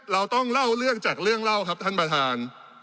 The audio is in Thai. เราต้องเล่าเรื่องจากเรื่องเล่าครับท่านประธาน